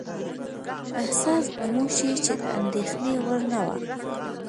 احساس به مو شي چې د اندېښنې وړ نه وه.